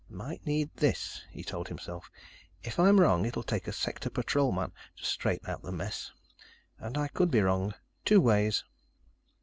"Might need this," he told himself. "If I'm wrong, it'll take a sector patrolman to straighten out the mess. And I could be wrong two ways."